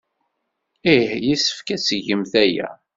Ih, yessefk ad tgemt aya.